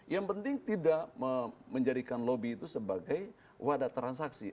yang penting tidak menjadikan lobby itu sebagai wadah transaksi